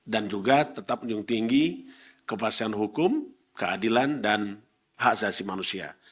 dan juga tetap penyung tinggi kebasan hukum keadilan dan hak zahasi manusia